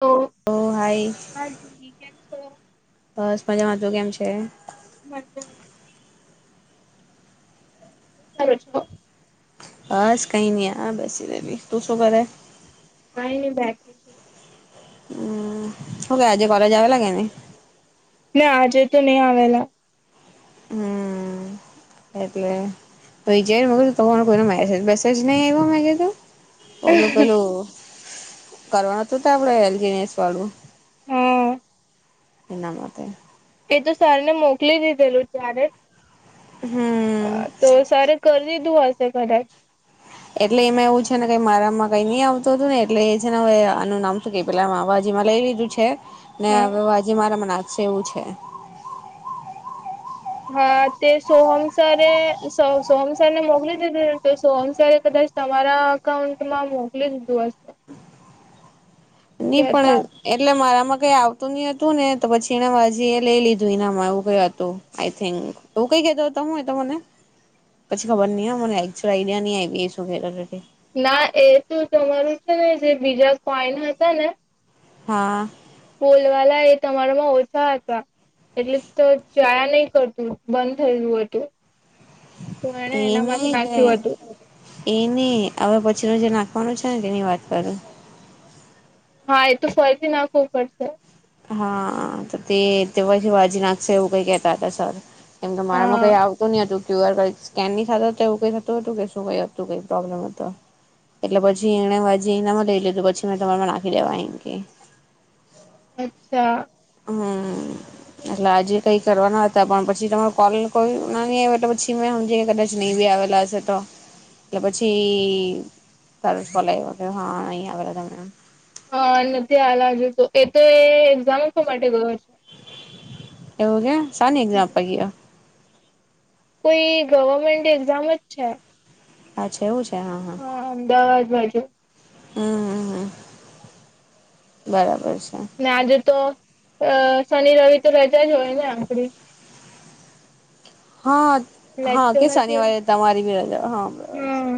Hello ઓ hi Margi કેમ છો. બસ માજા માં તું કેમ છે. બટ સારું છે. બસ કઈ નહી હા બસી ર તું શું કરે. કઈ નઈ બેઠીશું. હમ ક આજે કોલેજ આવેલા કે નહી. ના આજે તો નહી. હમ એટલે તોજ તો કોઈ મેસેજ વસેજ નહી આવ્યો મે કીધું. ઓલું પેલું કરવાનું હતું ત આપડે એલજીનેસ વાળું. હા એનામતે એ તો સરને મોકલી દીધેલું ત્યારે. હમ. તો સરે કરી દીધું હશે કદાચ એટલે એમાં એવું છે નેઈ મારામાં કઈ નઈ આવતું હતું ને એટલે એ છે ને હવે આનું નામ શું કે. પેલામાં અવાજમાં લઈ લીધું છે ને હા હવે વાજ મારે મનેશે એવું છે. હા તે સોહમસરે સોહમસારને મોકલી દીધુંને તો સોહમસરે કદાચ. તમારા અકાઉન્ટમાં મોકલી દીધું હશે. કે ની પણ હતા એટલે મારામાં કઈ આવતું નહ હતું ને તો પછી એને માજી એ લઈ લીધું એનામાં એવું કય હતું આઈ થિંક. તોું કઈ કતો તું હોય તમને. પછી ખબર નહીં મને એકક્ચઅલ આઈડિયા નહી આવી એ શું. ના એ તો તમારું છે ને જે બીજા કોઈન હતા ને હા. બોલવાલા એ તમારામાં ઓછા હતા. એટલે તો ચાન નહીં કરતું બંધ થઈ ગયું હતું. તો એણે એનામાંથી નાખ્યું હતું. એ ન હવે પછી ન જે નાખવાનું છે ને તેની વાત કરું. હા એ તો ફરીથી નાખવું પડશે. હા તો તે તેઓ આજવાજે નાખશે છે એવું કઈ કેતા સર કેમ કે મારામાં હા કઈ આવતું નહી હતું. ક્યુ આર સ્કેન નહી થતો એવું કઈતું હતું કે શું કઈ હતું કઈ પ્રોબ્લેમ હતો. એટલે પછી એણે હજી લઈ લીધું પછી મેં તમા નાખી દેવાકે. અચ્છા હમ એટલે આજે કઈ કરવાના હતા પણ પછી તમારો કોલ કોઈ ના નઈ એટલે પછી મેં સમજી કદાચ નિ બી આવેલા તો એટલે પછી તારો કોલ આવ કે હા અહીં આવેલા તમે હા નથી આયેલા હજુ તો એ તો એ એક્ઝામ આપવા માટે ગયો છે. એવું એમ એક્ઝામ આપવા ગીયો કોઈ ગવર્મેન્ટ એક્ઝામ જ છે. હા છે એવું છે હા હા અમદાવાદ બાજુ હમ હ હ બરાબર છે. ને આજુ તો અ શનિ રવિ તો રજા જ હોય ને આપડી હા હા લેક્ચર કે નથી શનિવારે તમારી બી રજા હોય હા બરાબર છે. હમ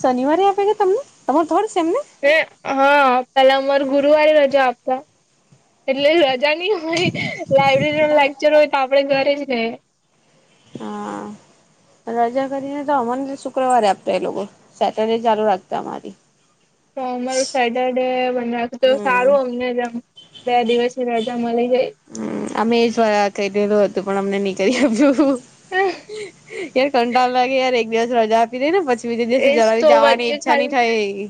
શનિવારે આપે ગયા તમને તમાર ત્રણ સેમને એ હા પેલા અમાર ગુરુવારે રજા આપતા એટલે રજાની હોય લાઈબ્રેરી ન લેક્ચર હોય તો આપડે ઘરે રહીએ હા રજા કરીને તો અમને શુક્રવારે આપતા એ લોકો સેટરડે ચાલુ રાખતા અમારી નોર્મલ સેટ ડે મન તો હમ સારું અમનેમ બે દિવસની રજા મળી જાય- હમ અમે એ જોયા થઈ ગેલુ હતું પણ અમને નીચે [unintelligible] કરી આપ્યું યાર કંટળ લાગે યાર એક દિવસ રજા બીધને પછી બીજે દિવસે એજ જ તો જાવાની વચ્ચે ઈચ્છા ની ખાલી થઈ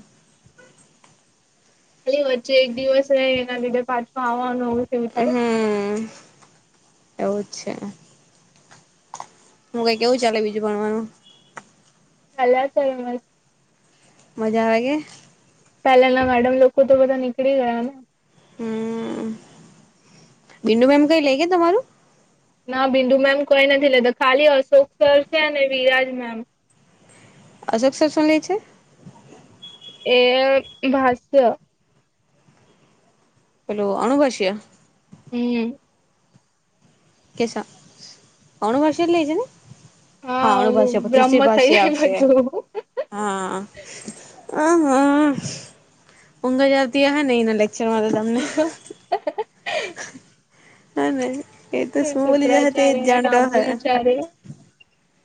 પછી વચ્ચે એક દિવસ રઈ એના લીધે પાછું આવવાનું તેવું થાય હમ એવું જ છે. હું કઈ કેવું ચાલે બીજું ભણવાનું ચાલ્યા કરે મસ્ત મજા આવે કે પેલાના મેડમ લોકો તો બધા નીકળી ગયા ને હમ બિડુ મેમ કઈ લે કે તમારું ના બિંદુ મેમ કોઈ નથી લેતા ખાલી અશોક સર છે ને વિરાજ મેમ અશોક સર શું લે છે. એ ભાષ્ય હેલો અનુભાષિયા હમ ઓકે સારું અણુભસ્ય જ લે છે ને હા ઓલું અણુભાષ્ય પચીસ બ્રહ્મ [unintelligible] થઈ ભષી જાય આવશે બધું હા આ હા ઊંઘ જ આવતી અહે ને એના લેક લેક્ચર માં તો તમને [unintelligible] હ ન એ તો શું બોલી જાહે એ જ જાણતો [unintelligible] હૈ અરે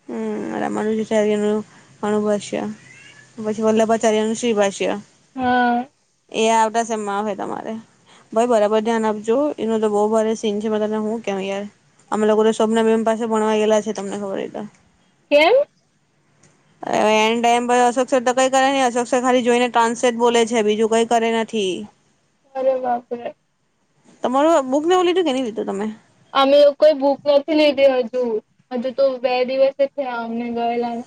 હમ મનું [unintelligible] અનુભવ છે. પછી વલ્લભાચાર્યનું શ્રી ભાષ્ય હા એ આવતા શેમમા આવશે તમારે ભાઈ બરાબર ધ્યાન આપજો એનું તો બહુ ભારે સીન છે તને હું કેવ યાર અમે લોકો તો શોભના મેમ પાસે ભણવા ગેલા છે તમને ખબર હોય તો કેમ [unintelligible] ટાઈમ પર અશોક્સર તો કઈ કરે નથી અશોક્સર ખાલી જોઈને ટ્રાન્સેટ બોલે છે બીજું કઈ કરે નથી અરે બાપ રે તમારું બુકને એવું લીધું કેવી રીતે લીધું તમે અમે કોઈ બુક નથી લીધી હજુ હજુ તો બે દિવસ જ થયા અમને ગયેલા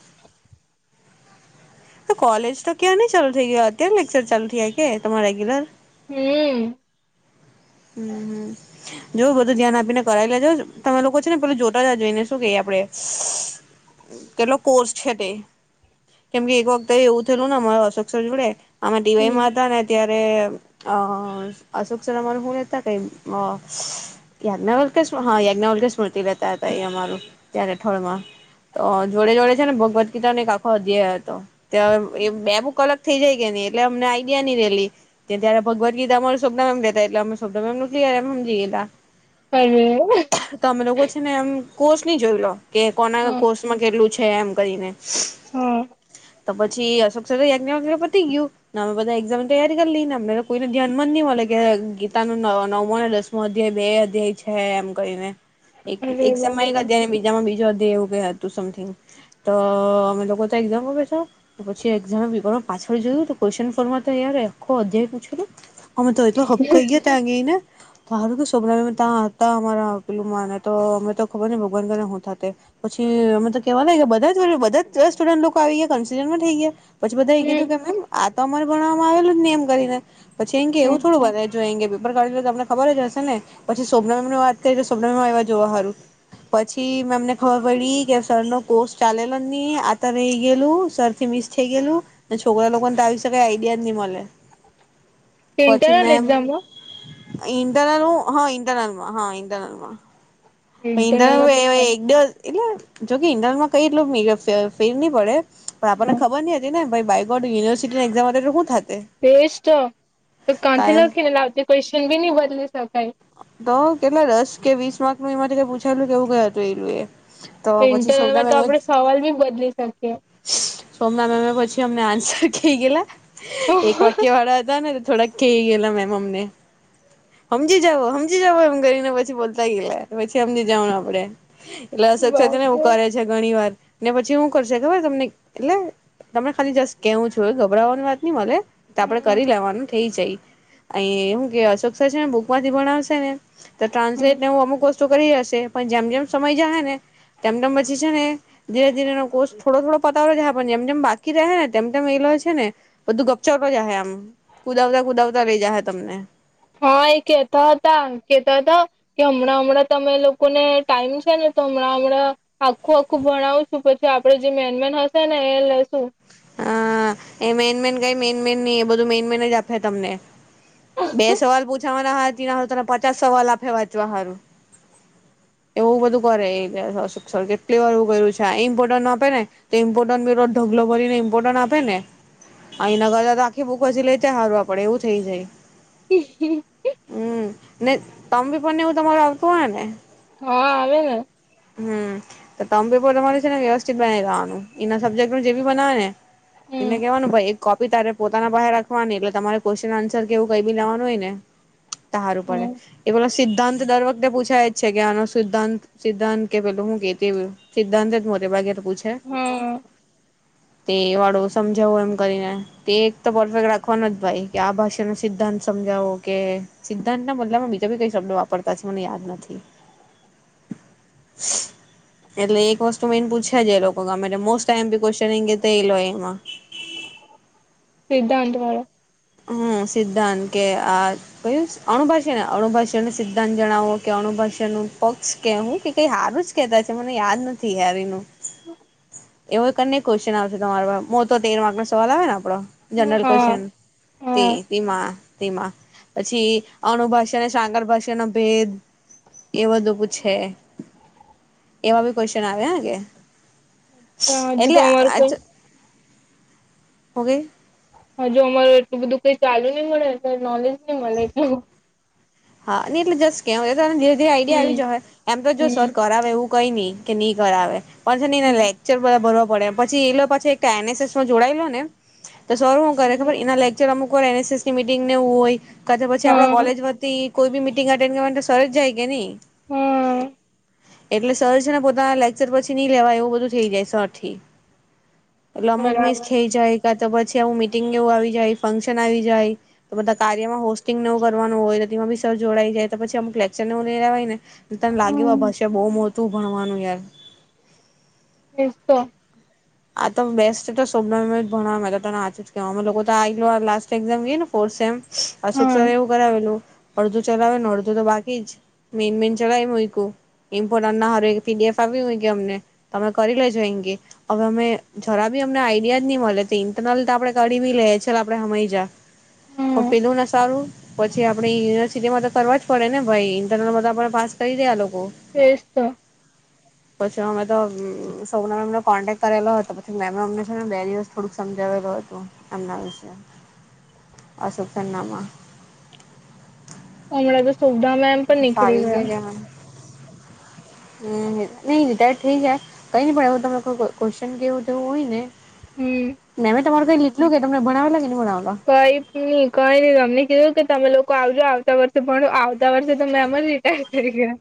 તો કોલેજ તો ક્યાં ની ચાલુ થઈ ગઈ અત્યારે લેક્ચર ચાલુ થયા કે તમારે રેગ્યુલર હમ [unintelligible] જો બધું ધ્યાન આપીને કરાવી લેજો તમે લોકો છે ને પેલું જોતા જાજો જોઈને શું કંઈયે આપડે કેટલો કોર્સ છે તે કેમ કે એક વખતે એવું થયેલું ને અમારા અશોક સર જોડે આમે હમ ટીવાઈમાં હતા ને ત્યારે અ અશોકસર અમારું ત કઈ અ [unintelligible] ત્યારના વખતે શું યાજ્ઞ વખતે સ્મૃતિ લેતા હતા અમારું ત્યારે થડ માં તો જોડે જોડે છે ને ભગવદ્ ગીતા ને એક આખો અધ્યાય હતો ત્યાં બે બુક થઈ જાય કે નહી એટલે અમને આઈડિયા નહિ રતી કે ત્યારે ભગવદ ગીતા અમારું સ્વકનામ એમ રેતા એટલે છોમ કિયર હ સમમજીએ [unintelligible] અરે હ ત અમે લોકો છે ને એમ કોર્ષ નહી જોયલો કે કોના હા કોષ કેટલું છે એમ કરીને હમ તો પછી અશોકસરે [unintelligible] પતી ગયું ના હમે બધા એક્ઝામ ની તૈયારી કરલી ના મેરા કોઇના ઘ્યાનમાંજ ની [unintelligible] પોતા નો નવમો ને દસમો અધ્યાય બે અધ્યાય છે એમ કરીને એક અરે એક શેમ એક બાપરે અધ્યાય એને બીજામાં બીજો અધ્યાય એવું કય હતું સમથિંગ તો અમે લોકો તો એક્ઝામાં બેઠાં પછી એક્ઝાનાપેપરમાર પાછળ જોયું ક્વેશ્ચન ફોરમા તો યાર આખો અધ્યાય પૂછેલૂ અમે તો એટલો હબકાય ગ્યાતા [unintelligible] હારુ તો સોભનામેમ ત્યાં હતા અમારા પેલુંમાંને તો અમે તો ખબર ને ભગવાન કરે હું થા તે પછી અમેતો કેવા લાગ કે બધા બધા જ સ્ટુડન્ટ લોકો અવિગ્યા કોન્સિડર પન થઈ ગ્યા પછી બધા એ કીધું હમ કે મેમ આ તો અમારે ભણવામાં આવેલું જ ને એમ કરીને પછી એમ કે હમ એવું થોડું વધે [unintelligible] ખબર જ હશે ને પછી સોભનામેમ વાત કયરિ તો સોભાનામેમ આઈવા જોવા હારુ પછી મેમ ને ખબર પડી કે સર નો કોર્સ ચાલેલો નહી આતા રહી ગયેલું સર થી મિસ થઈ ગયેલું છોકરા લોકોને ત વિશેે કઈ આઈડિયા જ નઈ મળે [inaudible] પછી ઇન્ટરનલ મેમ એક્ઝામમાં ઇન્ટનલ હા ઇન્ટનલમાં હા ઇન્ટરનલમાં [unintelligible] ઇન્ટરનલમાં તો એવા સારું એક બે એટલે જો ઇન્ટનલમાં કઈ એટલ ફેર નય પડે પણ આપણને હા ખબર નહ હતી ને ભય બાયગોડ યુનિવર્સટી એક્ઝામ હોતો શું થાત એ એજ તો તો કાંથી લખીને લાવતી ક્વેશ્ચન બી નહી બદલી શકાય તો કેટલા દસ કે વીસ માર્ક નું એમાંથી કઈ પૂછાયેલું કેવું કયા હતું એલું એટલે ઇન્ટરનલમાં તો આપડે સવાલ બી બદલી શકીએ સોમના મેમને પછી અમને આન્સર કે ગયેલા એક હ વાક્ય વાળા હતા ને થોડાક કે ગયલા મેમ અમને. સમજી જાવો સમમજી જાવો એમ કરીને પછી બોલતા ગવાય પછી સમમજી જાવ આપડે. એટલે અશત છે ને એવું બાપરે કરે છે ઘણી વાર ને પછી શું કરશે ખબર તમને એટલે. તમને ખાલી જસ્ટ કેવું છું ગભરાવાની વાત નહી મળ તો આપડે હમ કરી લેવાનું થઈ જાય. અહી એવું કે અશોકરસર છેને બુક માંથી ભણાવશે ને તો હમ ટ્રાન્સલેટ નેું અમુકસ્ત કરી હશે પણ જેમ જેમ સમય જાય હ ને તેમ તેમ પછી છે ને ધીરે ધીરે એનો કોર્ષ થોડો થોડો પતાવ છે પણ જેમ જેમ બાકી રહે ને તેમ તેમ એલો છે ને. બધું ગપચાવ જહ એમ કુદાવતા કુદાવતા રઈ જા હ તમને હા એ કેતા હતા કેતાતા. કે હમણાં હમણાં તમે લોકોને ટાઈમ છે ને તો હમણાં હમણાં. આખું આખું ભણાવશું પછી આપડે જે મેનમેન હશે ને એ લેશું હ એ મેન મેન કઈ મેન મેન નહી એ બધું મેન મેન જ આપે તમને બે સવાલ પૂછાવાના હાર નાાર તને પચાસ સવાલ આપે વાંચવા સારું. એવું બધું કરે એ અશોકસર કેટલી વાર એવું કર્યું છે ઇમ્પોર્ટન્ટ નો આપે ને ઈમ્પોર્ટન્ટ વરો ઢગલો બરીનેમ. પોર્ટન આપે ને એના કરતાતો આખી બુક વાંચી લે તા હારું આપડે એવું થઇ જાય. હમ ને તમબી પણને એવું તમારું આવતું હોય ને. હા આવે ને હમ તો તમામ પેપર તમારે છે ને વ્યવસ્થિત બનાવી લવાનું એના સબ્જેક્ટ જે બી બનાવે ને એને હમ કહેવાનું ભાઈ એક કોપી તારે પોતાના પાહે રાખવાની એટલે તમારે ક્વેશ્ચન આન્સ કેવું કઈ બી લેવાનું હોય ને. [inaudible] તાર પડે હમ એવોલો સિદ્ધાંત દર વખતે પૂછાય જ છે કે આનો સિદ્ધાંત સિદ્ધાંત કે પેલું હું કેતીયું. સિદ્ધાંત જ મોટે ભાગે પૂછે. હમ. તે વાળો સમજાવો એમ કરીને તે એક તો પરફેક્ટ રાખવાનો જ ભાઈ કે આ ભાષાનો સિદ્ધાંત સમજાવો કે સિદ્ધાંત ના બદલામાં બીજા બી કઈ શબ્દ વાપરતા છે મને યાદ નથી. [unintelligible] એટલે એક વસ્તુ મેન પૂછે જ એ લોકો ગમેતે મોસ્ટ આઇએમપી ક્વેશ્ચન [unintelligible] તેૈલો એમાં. સિદ્ધાંત મડે હમ સિદ્ધાંત કે આજ અણુભાષને અણુભાષાનો સિદ્ધાંત જણાવો કે અણુભાષા નું પક્ષ કેવું કે કઈ સારું જ કતા છે મને યાદ નથી યાર એનું. હમ. એવો કને ક્વેશ્ચન આવશે તમારો મોટો તેર માર્ક નો સવાલ આવે ને આપડો જનરલ હા ક્વેશ્ચન. તે હા તેમાં તેમાં પછી અનુભાષા સાંકરભાષા નો ભેદ એ બધું પૂછે. એવા બી ક્વેશ્ચન આવે હકે. અચ્છા હજુ તો અમારે તો. ઓકે. હજુ અમાર એલું બધું કઈ ચાલુ નહી મળે એટલે નોલેજ નહીં મને એટલું. હા ને એટલે જસ્ટ કેવય તોને ધીરે ધીરે આઈડિયા આવી હમ જાસે એમ તો જો સર હમ કરાવે એવું. કઈ નઇ કે નહી કરાવે પણ છે નહી લે. ક્ચર બધા ભરવા પડે પછી એ પાછુ એક એનએસએસમાં જોડાયેલો ને તો સર હું કરે ખબર હમ એનાક. અમુક વાર એનએસએસની મિટીંગને એવું હોય કા તો પછી આપડા હા કોલેજ વતી કોઈ બી મીટિંગ અટેન્ડ કરવા તો સર જ જાય કે નય. હમ. એટલે સર છે ને પોતાના લેક્ચર પછી નઈ લેવાય એવું બધું થઈ જાય સર થી. એટલે અમુક મિસ બરાબર થઈ જાય. કાં તો પછી આવું મીટિંગ એવું આવી જાય, ફંક્શન આવી જાય, તો બધા કાર્યમાં હો સ્ટીંગને એવુ કરવાનું હોય તો તેમાં ભીઃ સર જોડાઈ જાય તો પછી અમુક લેક્ચર નો ભર્યા ને, તને લાગે હમ કે બહુ મોટુ ભણવાનું યાર. એજ તો. આ તો બેસ્ટ તોોભના ભણને આચ જ કે અ લોકો તો આ લ્ટ એઝામ ગય ને ફોર સેમ. અશુક હા સર એ એવું કરાવેલું, અડધું ચલાવે ને અડધું તો બાકી જ. મેન મેન ચલાવી મુયકુ. ઇમ્પોર્ટ ના પીડીએફ આવી હો કે અમને, તમે કરી લેજો એમ કે. હવે અમે જરા બી અમને આઈડિયા જ નહી મળે ઇન્ટરનલ તો આપડે કરી બી લેઇએ ચાલ આપડે સમજ્યા. પણ હા પેલું ને સારું. પછી આપડે યુનિવર્સિટીમાં તો કરવા જ પડે ને ભાઈ ઇન્ટરનલમાં તો આપણે પાસ થય ગ્યા લોકો, એજ તો પછી અમે તો સૌનો એમનો કોન્ટેક્ટ કરેલો હતો પછી મેમ એ અમને બે દિવસ થોડુંક સમજાવેલુ હતું એમના વિશે. અશોક સરનામાં. હમણાં તો સુધામેમ પણ નીકળી ફાવી ગયા. હ નહી રિટાયર થઈ ગ્યા કઈ નય પણ એવું ત ક્વેશ્ચન કેવું તો એવુ હોય ને. હમ નને મેં તમારું કઈ લીકલું કે તમને ભણવેેલા કે નઈ ભણલા? કઈ નહી કઈ નહી તમને કીધું કે તમે લોકો આવજો આવતા વર્ષે પણ આવતા વર્ષે તો મેમ જ રિટાયર થઇ ગ્યા.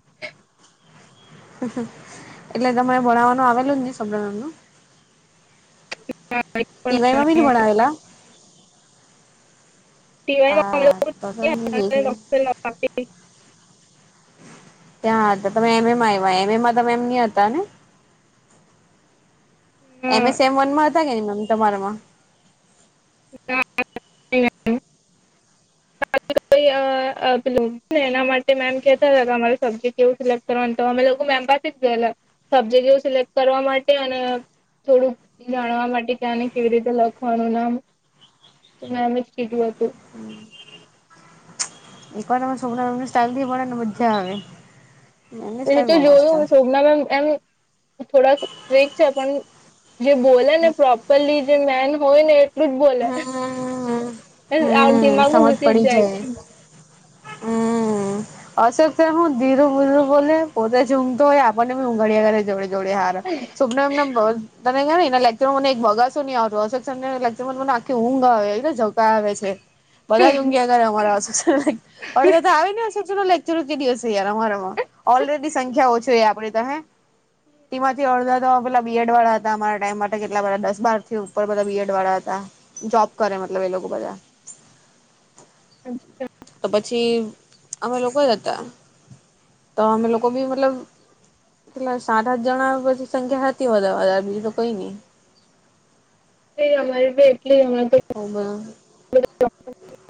એટલે તને ભણાવવાનું આવેલું જ નહી સોભનામેમ નું. ટીવાયમાં બી નય ભણાવેલા? ત [unintelligible] હા ત ન [unintelligible] બાપી [unintelligible] ત્યાં હતા તમે એમએમાં આવ્યા એમ એમાં તમે મેમ નય હતા ને? એમએ સેમ વનમાં હતા કે નય મેમ તમારામાં? ના [unintelligible] કોઈ બિલ ને એના માટે મેમ કહેતા હતા કે અમારો સબ્જેક્ટ કેવું સિલેક્ટ [unintelligible] કરવા તો અમે લોકો મેમ પાસે જ ગયેલા, સબ્જેક્ટ સિલેક્ટ કરવા માટે અને થોડુંક જાણવા માટે ત્યાંને કેવી રીતે લખવાનું નામ. મેમે જ કીધું હતું. ઇકોમમ સાઈલ થી પડે ને મજા આવે. એમની એ સ્ટાઈલ તો બહુ મસ્ત. જોયું શોભનામેમ એમ થોડાક સ્ટીક છે પણ જે બોલે ને પ્રોપરલી જે મેન હોય ને. એટલુ જ બોલે, હમ્મ. હમ્મ દિમાગમાં સમજ ઘુસી જ પડી જાય. અશોકસર હું ધીરું ધીરું બોલે પોતે ઝૂમતો હોય આપણને બી ઉંઘાડ્યા જ કરે જોડે. જોડે હારો, શોભનામેમ બહુ તને કેવાય ને એના લેક્ચર મા મને એક બગાસુ નઈ આવતુ અશોકસરના લેક્ચર મને આખી ઊંઘ આવે એને જોકા આવે છે. [inaudible] બધા જ ઊંઘ્યા કરે અમારા અડધા તો આવી ને. લેક્ચર કે દિવસ છે યાર અમારામાં, ઓલરેડી સંખ્યા ઓછી આપડે તો. તેમાંથી અડધા તો પેલા બીએડ વાળા હતા અમારા ટાઈમ માટે કેટલા બધા દસ બાર થી ઉપર બધા બીએડ વાળા હતા. જોબ કરે મતલબ એ લોકો બધા. અચ્છા. તો પછી અમે લોકો હતા, તો અમે લોકો બી મતલબ એટલે સાત આઠ જણા પછી સંખ્યા હતી વધારે મા વધારે બીજું તો કઈ નઈ. એ અમારી એટલી અ તો [unintelligible]